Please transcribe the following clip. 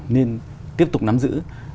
nên tiếp tục nắm giữ